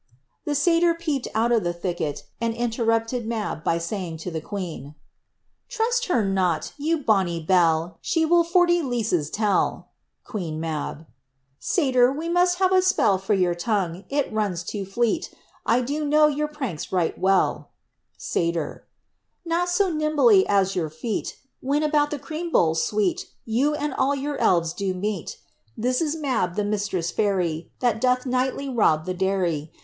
be tatyr peeped out of the thicket^ and intemipted Mab by saying ,e queen— Trust her not, you bonni beUe, She will forty leaiinga telL Qmm Mab. Satjrr, we must have a spell For your tongue — it runs too fleet. I do know your pranks right welL Satyr, Not so nimbly as jrour feet, When, about the cream bowls tweet, You and all your ehret do meet. This is Mab, the mistress foiry, That doth nightly rob the dairy.